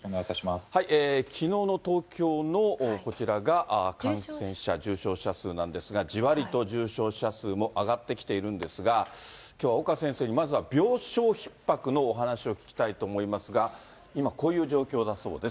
きのうの東京のこちらが感染者、重症者数なんですが、じわりと重症者数も上がってきているんですが、きょうは岡先生に、まずは病床ひっ迫のお話を聞きたいと思いますが、今、こういう状況だそうです。